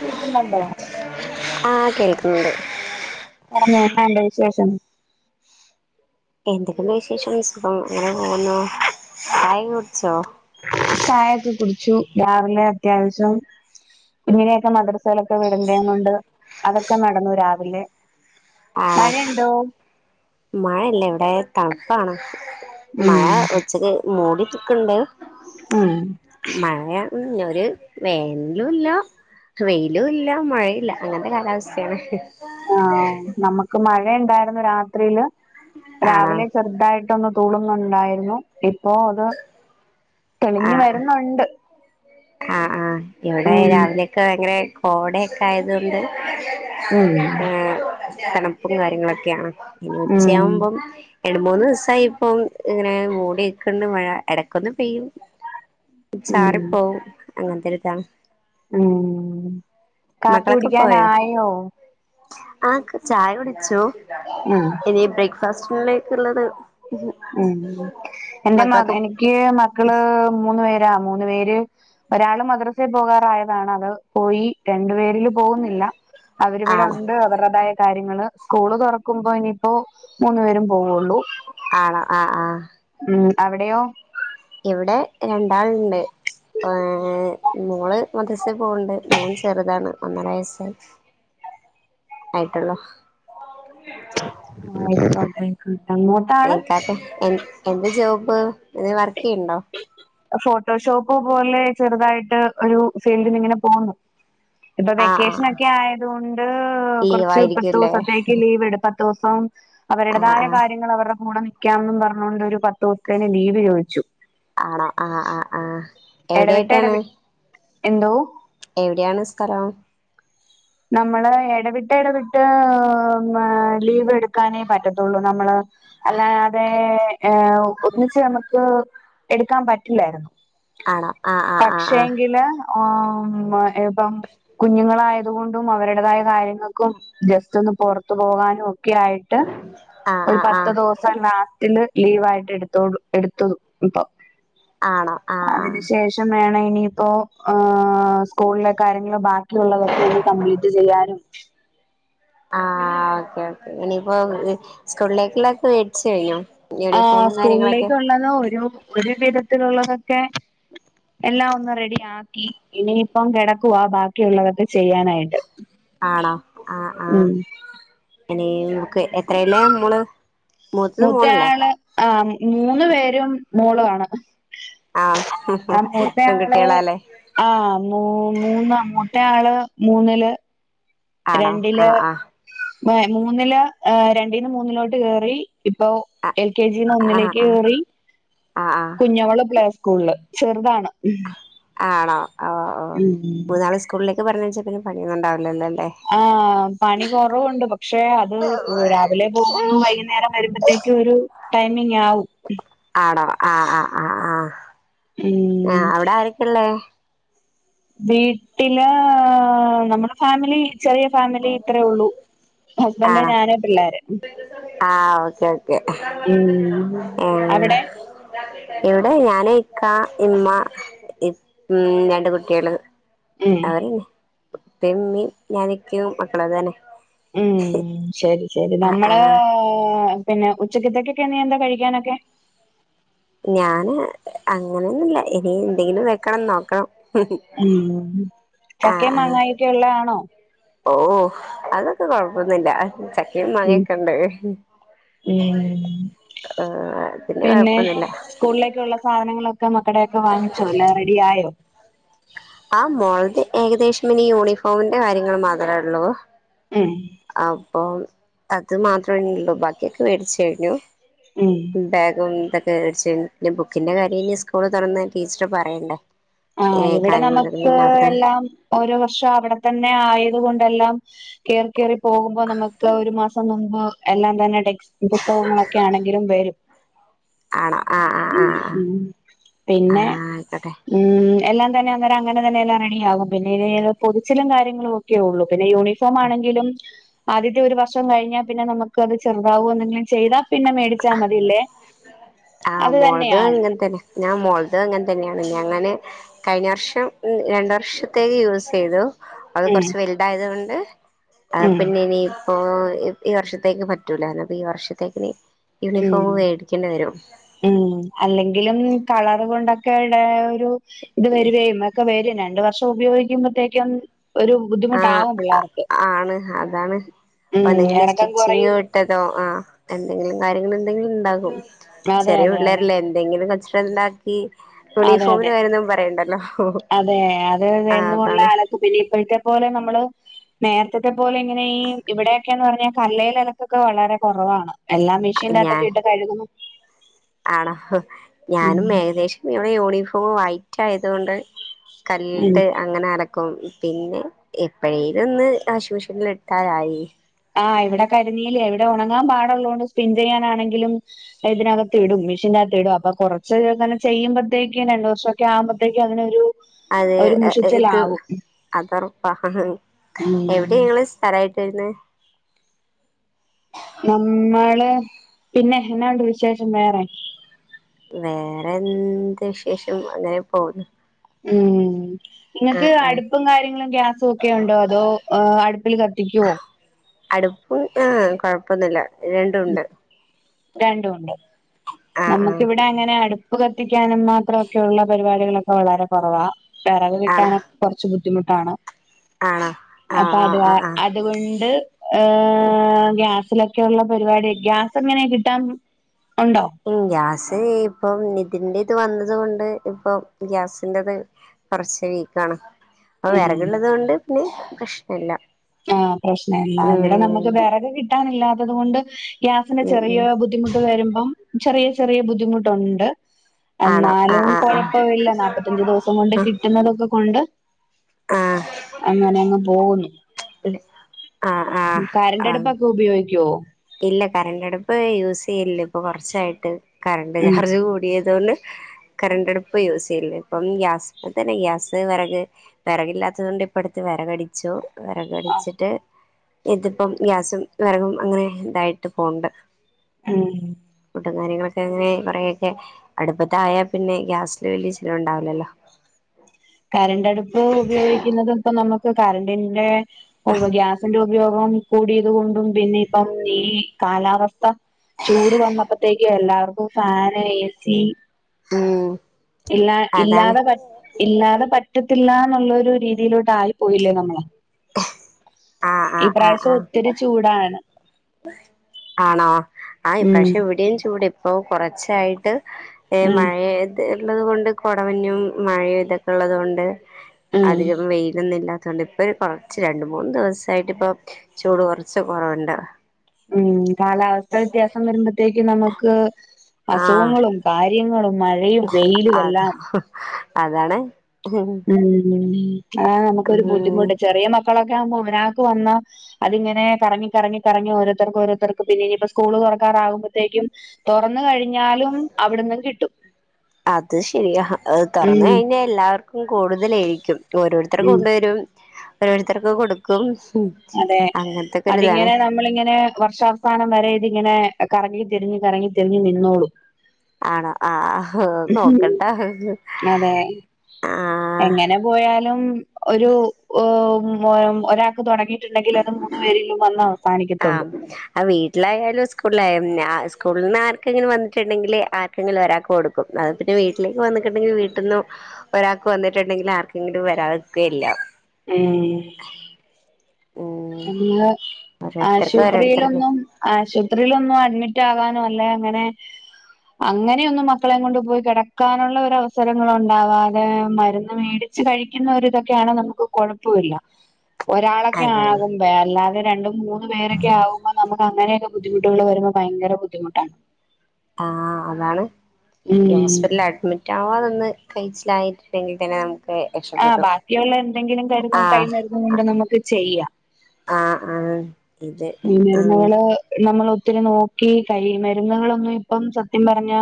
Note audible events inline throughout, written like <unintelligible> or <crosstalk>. കേക്കുന്നുണ്ടോ ആഹ് കേൾക്കുന്നുണ്ട് പറഞ്ഞേന്താ എന്താ എൻറ വിശേഷം എന്തൊക്കെണ്ട് വിശേഷം സുഖം ങെന പോവുന്നു ചായ ഒക്കെ കുടിച്ചോ ചായഒക്കെ കുടിച്ചു രാറിലെ അത്യാവശ്യം കുഞിനെയൊക്കെ മദ്രസയിലൊക്കെ വിടണ്ടത് കൊണ്ട് അതൊക്കെ നടന്നു രാവിലെ മഴയുണ്ടോ മഴയില്ല ഇവിടെ തണുപ്പാണ് ഉം മഴ ഉച്ചക്ക് മൂടിനിക്കുന്നുണ്ട് ഉം മഴ ഒരു വെയിലുല്ലാ വെയിലും ഇല്ല മഴയില്ല അങ്ങനത്തെ കാലാവസ്ഥയാണ് ആഹ് നമുക്ക് മഴ ഉണ്ടായിരുന്നു രാത്രിയില് ആണോ രാവിലെ ചെറുതായിട്ട് ഒന്ന് തൂണുന്നുണ്ടായിരുന്നു ഇപ്പോ അത് തെളിഞ്ഞു ആഹ് വരുന്നുണ്ട് ആഹ് ആഹ് ഇവിടെ ഉം രാവിലെയൊക്കെ ഭയങ്കര കോടയൊക്കെ ആയതുകൊണ്ട് ഉം തണുപ്പും ഉം കാര്യങ്ങളൊക്കെയാണ് ഇനി ഉം ഉച്ചയാകുമ്പം രണ്ട് മൂന്ന് ദിവസായി ഇപ്പം ഇങ്ങനെ മൂടി നിക്കുന്നുണ്ട് മഴ ഇടക്കൊന്ന് പെയ്യും ചാറി ഉം പോവും അങ്ങനത്തൊരുതണ് ഉം കാപ്പി കുടിക്കാനായോ ആ ചായ കുടിച്ചോ ഉം ഇനി ബ്രേക്ക്ഫാസ്റ്റിലേക്ക് ഉള്ളത് ഉം എന്റെ മ എനിക്ക് മക്കള് മൂന്ന് പേരാ മൂന്ന് പേര് ഒരാള് മദ്രസയിൽ പോകാറായതാണ് അത് പോയി രണ്ടു പേരിലും പോകുന്നില്ല അവരിവിടെ ആണോ ഉണ്ട് അവരുടേതായ കാര്യങ്ങള് സ്കൂള് തുറക്കുമ്പോ ഇനിയിപ്പോ മൂന്നു പേരും പോവുള്ളൂ ആണോ ആഹ് ആഹ് ഉം അവിടെയോ ഇവിടെ രണ്ടാളുണ്ട് ഏ മോള് മത- -സ പോവുന്നുണ്ട് മോൻ ചെറുതാണ് ഒന്നര വയസ്സായി ആയിട്ടുള്ളൂ ആഹ് ആയിക്കോട്ടെ ആയിക്കോട്ടെ ക്കാക്ക് എ എന്താ ജോബ് എന്തോ വർക്ക് ചെയ്യണ്ടോ ഫോട്ടോഷോപ്പ് പോലെ ചെറുതായിട്ട് ഒരു ഫീൽഡിൽ ഇങ്ങനെ പോകുന്നു ഇപ്പൊ ആഹ് ആഹ് വെക്കേഷനൊക്കെ ആയതുകൊണ്ട് കുറച്ച് പത്ത ലീവായിരിക്കുംല്ലേ ദിവസത്തേക്ക് ലീവ് എടു- ദിവസവും ആഹ് അവരുടേതായ ആഹ് കാര്യങ്ങൾ അവരുടെ കൂടെ നി- -ക്കാന്നും പറഞ്ഞ്കൊണ്ട് ഒരു പത്ത് ദിവസത്തേന് ലീവ് ചോദിച്ചു ആണോ ആഹ് ആഹ് ആഹ് എടവിട്ട് എവിടെയായിട്ടാണ് എടവിട്ട് എന്തോ.. എവിടെയാണ്‌ സ്ഥലം നമ്മള് എടവിട്ടെടവിട്ട് ലീവ് എടുക്കാനേ പറ്റത്തുള്ളൂ നമ്മള് അല്ലാതെ ഏ ഒന്നിച്ച് നമുക്ക് എടുക്കാൻ പറ്റില്ലായിരുന്നു ആണോ ആഹ് ആഹ് ആഹ് ആഹ് പക്ഷേങ്കില് ആഹ് ഉം ഇപ്പം കുഞ്ഞുങ്ങളായ തുകൊണ്ടും അവരുടെതായ കാര്യങ്ങക്കും ജസ്‌റ്റൊന്ന് പൊർത്ത് പോകാനും ഒക്കെ ആയി ട്ട് ആഹ് ഒരു ആഹ് പത്ത് ആഹ് ദിവസം ലാസ്റ്റില് ലീവായിട്ട് എടുത്തോ എടുത്തു ഇപ്പൊ ആണോ ആഹ് അതിനു ആഹ് ശേ ഷം വേണെനിയിപ്പോ ഏ സ്കൂളിലെ കാര്യങ്ങള് ബാക്കിയുള്ളതൊ ക്കെ ഒന്ന് കംപ്ലീറ്റ് ചെയ്യാനും ആ ഓക്കെ ഓക്കെ എനിയിപ്പോ സ്കൂളിലേക്ക്ള്ളക്കെ വേ ച്ചയ്ഞ്ഞോ ആഹ് യൂണിഫോമും കാര്യങ്ങളൊക്കെ <unintelligible> ഒരു ഒരു വിധത്തിലുള്ളതൊക്കെ എല്ലാം ഒന്ന് റെഡി ആക്കി ഇനിയിപ്പം കെടക്കുവാ ബാക്കിയുള്ളവര്ടെ ചെയ്യാനായി ട്ട് ഉം എനീം ക്കെ എത്രയെലാ മോള് മൂത്തത് മോളല്ലേ മൂത്തയാള് ആ മൂന്ന് പേരും മോളാണ്‌ ആ പെൺകുട്ട്യാളാലേ ആ മൂ മൂന്ന് മൂത്തയാള് മൂന്നില് ആണോ രണ്ടില് ആഹ് ആഹ് എ മൂന്നില് ഏ രണ്ടീന്ന് മൂന്നിലോട്ട് കേറി ഇപ്പോ എൽ കെ ജി ന്ന് ആഹ് ആഹ് ഒന്നിലേക്ക് ആഹ് കേറി ആഹ് കുഞ്ഞവള് പ്ലേ സ്കൂളില് ചെർതാണ് ആണോ ഓ ഓ മൂന്നാള് സ്കൂളിലേക്ക് പറഞ്ഞയച്ചാ പിന്നെ പണിയൊന്നണ്ടാവില്ലല്ലോല്ലേ ആ പണി കൊറവുണ്ട് പക്ഷെ അത് രാവിലെ പോകുന്നു വൈകുന്നേരം വരുമ്പത്തേക്കും ഒരു ടൈമിങ്ങാവും ആണോ ആ ആ ആ ആ ഉം ആ അവടെ ആരൊക്കെള്ളേ വീട്ടില് നമ്മുടെ ഫാമിലി ചെറിയ ഫാമിലി ഇത്രേ ഉള്ളൂ ഹസ്ബന്റ് ഞാന് പിള്ളാര് ആ ഓക്കെ ഓക്കെ ഉം ഉം അവിടെ ഇവിടെ ഞാന് ഇക്കാ ഇമ്മ ഉം രണ്ട് കുട്ട്യാള് ഉം അവരെന്നെ ഇപ്പ മ്മീം ഞാന്ക്ക്യും മക്കള് അത് തന്നെ ഉം ശെരി ശെരി ആ ആ നമ്മളെ പിന്നെ ഉച്ചക്കത്തേക്കൊക്കെനിയെന്താ കഴിക്കാനൊക്കെ ഞാന് അങ്ങനെയൊന്നുല്ല ഇനി എന്തെലും വെക്കണം നോക്കണം ഉം ആ ചക്കേം ആ മാങ്ങായൊക്കെള്ളതാണോ ഓ അതൊക്കെ കൊഴപ്പൊന്നുല്ല ചക്കേം ഉം മാങ്ങക്കെണ്ട് ഉം ആ ആ പിന്നെ കൊഴപ്പൊന്നുല്ല സ്കൂളിലേക്കുള്ള സാധനങ്ങളൊക്കെ മക്കടെയൊക്കെ വാങ്ങിച്ചോ എല്ലാം റെഡിയായോ ആ മോൾത് ഏകദേശം ഇനി യൂണിഫോമിന്റെ കാര്യങ്ങൾ മാത്രേ ഉള്ളൂ ഏ അപ്പം അത് മാത്രേനിള്ളൂ ബാക്കിയൊക്കെ വേടിച്ചു കഴിഞ്ഞു ഉം ബാഗും തൊ ക്കെ വെടിച്ചേഞ്ഞു ബുക്കിന്റെ കാര്യം ഇനി സ്കൂള് തൊറന്ന് ടീച്ചറ് പറയണ്ടേ ആ ഏ ഇവടെ കാര്യങ്ങൾ പിന്നെ നമക്ക് അവിടുന്ന് എല്ലാം ഓരോ വർഷം അവിടെ തന്നെ ആയത് കൊണ്ടെല്ലാം കേറി കേറി പോകുമ്പോ നമുക്ക് ഒരു മാസം മുമ്പ് എല്ലാം തന്നെ പുസ്തകങ്ങളൊക്കാണെങ്കിലും വരും ആണോ ആ ആ ആ ഉം ആ ഉം ആ പിന്നെ ആയിക്കൊട്ടെ ഉം എല്ലാം തന്നെ അന്നേരം അങ്ങനെ തന്നെ എല്ലാം റെഡിയാകും പിന്നേത് പൊത്ച്ചിലും കാര്യങ്ങളും ക്ക്യേ ഉള്ളൂ പിന്നെ യൂണിഫോമാണെങ്കിലും ആദ്യത്തെ ഒരു വർഷം കഴിഞ്ഞാ പിന്നെ നമുക്കത് ചെറുതാവുന്നെങ്കിൽ- ചെയ്താ പിന്നെ മേടിച്ചാൽ മതില്ലേ ആഹ് അത് മോളത് തന്നെയാണ് അങ്ങനെ തന്നെ ഞാൻ മോൾടെദ് അങ്ങനെ തന്നെയാണ് അങ്ങനെ കഴിഞ്ഞ വർഷം രണ്ട് വർഷത്തേക്ക് യൂസ് ചെയ്തു അത് ഉം കൊറച്ച വലുതായതുകൊണ്ട് അഹ് ഉം പിന്നേനി- ഇപ്പ ഈ വർഷത്തേക്ക് പറ്റൂല്ലാഞ്ഞ് അപ്പ ഈ വർഷത്തേക്കിനി ഉം യൂണിഫോം മേടിക്കേണ്ടി വരും ഉം അല്ലെങ്കിലും കളർ കൊണ്ടൊക്കെടെ ഇ വരുവേ ഒക്കെ വരും രണ്ട് വർഷം ഉപയോഗിക്കുമ്പോഴത്തേക്കും ഒരു ആഹ് ബുദ്ധിമുട്ടാവും പിള്ളേർക്ക് ആണ് അതാണ് ഉം ഇറക്കം കുറയും തോ ആഹ് എന്തെങ്കിലും കാര്യങ്ങൾ എന്തെങ്കിലും ഉണ്ടാകും അതെ ചെറിയ അതെ അതെ പിള്ളേരല്ലേ എന്തെങ്കിലും കച്ചറ ഉണ്ടാക്കി അതെ അതെ യൂണിഫോമിൻ്റെ കാര്യന്നും പറയണ്ടല്ലോ അതെ അത് ആഹ് എന്നുളള അതാണ് അലക്കും പിന്നെ ഇപ്പോത്തെ പോലെ നമ്മള് നേർ- ഇത്തെ പോലെ ഇങ്ങനെഈ ഇവിടെയൊക്കെന്ന് പറഞ്ഞാൽ കല്ലൽലക്കൊക്കെ വളരെ കുറവാണ് എല്ലാം മി ഞാൻ ഷിൻ്റകത്തൊക്കെ ഇട്ട് കഴുകുന്നു ആണോ ഉം ഞാനും ഏകദേശം ഇവിടെ യൂണിഫോം വൈറ്റ് ആയതു കൊണ്ട് ഉം കല്ലിട്ട് അങ്ങനെ അലക്കും പിന്നെ എപ്പോഴേലും ഒന്ന് വാഷിമിഷൻ ഇട്ടാൽ ആയി ആഹ് ഇവിടെ കരിനീലയ ഇവിടെ ഉണങ്ങാൻ പാടുള്ളതോണ്ട് സ്പിൻറ് ചെയ്യാനാണെങ്കിലും ഇതിനകത്ത് ഇടും മിഷീൻ അകത്തിടും അപ്പൊ കുറച്ച് അങ്ങനെ ചെയ്യുമ്പോതേക്കും രണ്ടു വർഷം ഒക്കെ ആമ്പഴത്തേക്ക അങ്ങനൊ ഒരു- അതെ ഇത് മുഷിച്ചിലാവും അതുറപ്പാ ഉം എവിടെ ങ്ങള് സ് സ്ഥലായിട്ട് വരുന്നേ നമ്മള് പിന്നെ എന്നാണ്ട് വിശേഷം വേറെ വേറെ എന്ത് വിശേഷം അങ്ങനെ പോണ് ഉം നിങ്ങക്ക് ആഹ് അടുപ്പും കാര്യങ്ങളും ഗ്യാസും ഒക്കെ ഉണ്ടോ അതോ ഏഹ് അടുപ്പിൽ കത്തിക്കുവോ? അടുപ്പും ആഹ് കൊഴപ്പൊന്നുല്ല രണ്ടും ഉണ്ട് രണ്ടുവുണ്ട് ആഹ് ആഹ് നമുക്കിവിടെ അങ്ങനെ അടു- പ്പ് കത്തിക്കാനും മാത്രൊക്കെയുള്ള പരിപാടികളൊക്കെ വളരെ കുറവാ വിറക് ആണോ കിട്ടാനൊക്കെ കുറച്ച് ബുദ്ധിമുട്ടാണ് ആണോ ആഹ് അപ്പൊ അത് ആഹ് അ ആഹ് ആഹ് അതുകൊണ്ട് ഏഹ് ഗ്യാസിലൊക്കെ ഉള്ള പരിപാടി ഒക്കെ ഗ്യാസ് എങ്ങനെ കിട്ടാ ഉണ്ടോ ഗ്യാസ് ഇപ്പം ഇതിൻന്റെ ഇത് വന്നത് കൊണ്ട് ഇപ്പം ഗ്യാസിന്റെത് കുറച്ച് വീക്കാണ് അപ്പൊ ഉം വിറകുള്ളത് കൊണ്ട് പിന്നെ പ്രശ്നല്ല ആഹ് പ്രശ്നല്ല ഉം ഇവിടെ നമുക്ക് വിറക്ക് കിട്ടാനില്ലാത്തത കൊണ്ട് ഗ്യാസിന്റെ ഉം ഉം ചെറിയ ബുദ്ധിമുട്ട് വരുമ്പം ചെറിയ ചെറിയ ബുദ്ധിമുട്ടുണ്ട് ആണോ ആഹ് എന്നാലും ആഹ് കൊഴപ്പ ഇല്ല നാല്പത്തഞ്ചു ദിവസം കൊണ്ട് ആഹ് കിട്ടുന്നതൊക്കെ കൊണ്ട് ആഹ് അങ്ങനെ അങ്ങ് പോകുന്നു ആഹ് ആഹ് ആഹ് ഉപയോഗിക്കോ ഇല്ല കറണ്ട് അടുപ്പ് യൂസ് ചെയ്യല്ല ഇപ്പൊ കൊറച്ചായിട്ട് കറണ്ട് ഉം ചാർജ് കൂടിയതോണ്ട് കറണ്ട് അടുപ്പ് യൂസ് ചെയ്യല്ല ഇപ്പം ഗ്യാസ് തന്നെ ഗ്യാസ് വിറക് വിറകില്ലാത്തത് കൊണ്ട് ഇപ്പ അടുത്ത് വിറകടിച്ചു വിറകടിച്ചിട്ട് ഇതിപ്പം ഗ്യാസും വിറകും അങ്ങനെ ഇതായിട്ട് പോണ്ട് ഉം ഫുഡും കാര്യങ്ങളൊക്കെ അങ്ങനെ കുറേയൊക്കെ അടുപ്പതായൽ പിന്നെ ഗ്യാസിനു വലിയ ചിലവുണ്ടാവില്ലല്ലോ <inaudible> കരണ്ടടുപ്പ് ഉപയോഗിക്കുന്നതും ഇപ്പം നമ്മക്ക് കറണ്ടിന്റെ ഗ്യാസിന്റെ ഉ ഉപയോഗം കൂടിയത് കൊണ്ടും പിന്നെ ഇപ്പം ഈ കാലാവസ്ഥ ചൂട് വന്നപ്പത്തേക്കി എല്ലാവർക്കും ഫാന് ഏസി ഉം ഇല്ലാ അതാണ് ഇല്ലാതെ ക ഇല്ലാതെ പറ്റത്തില്ലന്നുള്ളരു രീതിയിലോട്ട് ആയി പോയില്ലേ നമ്മള് ആഹ് ഇ ആഹ് ആഹ് പ്രാവശ്യം ആഹ് ഒത്തിരി ചൂടാണ് ആണോ ആ ഉം ഇപ്രാഷം ഇവിടെയും ചൂട് ഇപ്പൊ കൊറച്ചായിട്ട് - ഏ ഉം മഴ ഇത് ഉള്ളത് കൊണ്ട് കൊടവഞ്ഞും മഴെ ഇതൊക്കെ ഉള്ളത് കൊണ്ട് ഉം അധികം വെയിലൊന്നും ഇല്ല ഇപ്പേ കോറച്ച് രണ്ട് മൂന്ന് ദിവസായിട്ട് ഇപ്പോ ചൂട് കോറച്ച് കോറവുണ്ട് മ്മ് കാലാവസ്ഥ വ്യത്യാസം വരുമ്പത്തേക്ക് നമുക്ക് ആഹ് അസുഖങ്ങളും കാര്യങ്ങളും മഴയും വെയിലും അത എല്ലാം അതാണ് ഹ് ഹ് മ്മ് അതാണ് നമുക്കൊരു ബുദ്ധിമുട്ട് ചെറിയ മക്കളൊക്കെ ആവുമ്പോ ഒരാക്ക് വന്നാ അതിങ്ങനെ കറങ്ങി കറങ്ങി കറങ്ങി ഓരോത്തർക്ക് ഓരോത്തർക്ക് പിന്ന ഇനിപ്പ സ്കൂള് തുറക്കാറാകുമ്പത്തേക്കിയും തുറന്ന് കഴിഞ്ഞാലും അവിടന്നും കിട്ടും അത് ശരിയാ തുറന് ഉം കഴിഞ്ഞാ എല്ലാവർക്കും കൂടുതലായിരിക്കും ഓരോരുത്തർ ഉം കൊണ്ടുവരും ഓരോരുത്തർക്ക് കൊടുക്കും അതെ അങ്ങനത്തൊക്കെ ഒരു ഇതാണ് അതിങ്ങനെ നമ്മളിങ്ങനെ വർഷാവസാനം വരെ ഇതിങ്ങനെ കറങ്ങി ത്തിരിഞ് കറങ്ങി തിരിഞ് നിന്നോളൂ ആണോ ആഹ് നോക്കണ്ട ഹ് ഹ് അതെ ആ എങ്ങനെ പോയാലും ഒരു ഒരാൾക്ക് തുടങ്ങി ണ്ടങ്കിൽ അത് മൂന്ന് പേരിലും വന്നോ ആഹ് അത് വീട്ടിലായാലും സ്കൂളിലായാലും സ്കൂളില് ന്ന് ആർക്കെങ്കിലും വന്നിട്ടുണ്ടെങ്കിൽ ആർക്കെങ്കിലും ഒരാക്ക് കൊടുക്കും അത് പിന്നെ വീട്ടിലേക്ക് വന്നിക്ക് ണ്ടെങ്കിൽ വീട്ട്ന്നും ഒരാൾക്ക് വന്നിട്ടുണ്ടെങ്കിൽ ആർകങ്കിലും വരാതിക്കെ യില്ല ഏ ഉം അന്ന് ഓരോരുത്തർക്ക് ഓരോരുത്തർക്ക് ആശുപത്രിയിലൊന്നും ആശുപത്രിലൊന്നും അഡ്മിറ്റ് ആകാനും അല്ലേ ങ്ങനെ അങ്ങനയൊന്നും മക്കളെ കൊണ്ട് പോയി കടക്കാനുള്ള ഒരു അവസരങ്ങള് ഉണ്ടാവാതെ മരുന്ന് മേടി വച്ച് കഴിക്കുന്നഒര് ഇതൊക്കെയാണ് നമുക്ക് കുഴപ്പോല്ല ഒരാളൊക്കെ അതാണ് ആകുബെ അല്ലാതെ രണ്ടും മൂന്നു പേരൊക്കെ ആകുമ്പോ നമുക്ക് അങ്ങനെയൊക്കെ ബുദ്ധിമുട്ടുകൾ വരുമ്പോ ഭയങ്കര ബുദ്ധിമുട്ടാണ് ആഹ് അതാണ് ഉം ഗ്യാസ് അഡ്മിറ്റ് ആവാതന്ന് കഴിച്ചിലായിട്ടുണ്ടെങ്കിൽ തന്നെ നമുക്ക് ആഹ് രക്ഷപ്പെട്ടു ബാക്കിയുള്ള എന്തെങ്കിലും കാര്യങ്ങൾ ആഹ് കൈമരുന്ന് കൊണ്ട് നമുക്ക് ചെയ്യാ ആഹ് ആഹ് ഇത് ആഹ് കൈമരുന്നുകള് നമ്മൾ ഒത്തിരി നോക്കി കൈ മരുന്നുകളൊന്നും ഇപ്പം സത്യം പറഞ്ഞ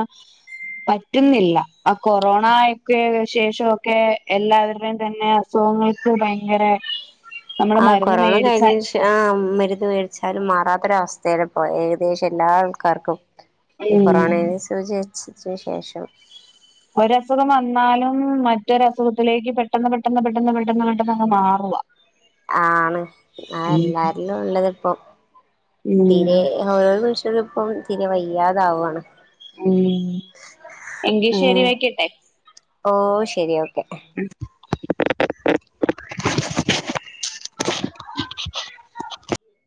പറ്റുന്നില്ല അ കൊറോണ ആയിറ്റ് ശേശോ ക്കെ എല്ലാവരുടെയും തന്നെ അസുഖങ്ങൾക്ക് ഭയങ്കര നമ്മുടെ മരുന്ന് കൊറോണ മേടിച്ച കഴിഞ്ഞതിന് ആഹ് മരുന്ന് മേടിച്ചാലും മാറാത്തൊരു അവസ്ഥലാ പോയെ ഏകദേശം എല്ലാ ആൾക്കാർക്കും ഈ ഉം കൊറോണെ സൂചിച്ചതിന് ശേഷം ഒരസുഖം വന്നാലും മറ്റൊരു അസുഖത്തിലേക്ക് പെട്ടെന്ന് പെട്ടെന്ന് പെട്ടെന്ന് പെട്ടെന്ന് പെട്ടെന്ന് അങ്ങ് മാറുവാ ആണ് ആഹ് ഉം എല്ലാരിലും ഉള്ളത് ഇപ്പൊ ഉം തീരെ ഓരോ മനുഷ്യനും ഇപ്പം തിരെ വയ്യാതാവു ആണ് മ്മ് എങ്കി ഉം ശരി വയ്ക്കട്ടെ ഓ ശരി ഓക്കെ ഉം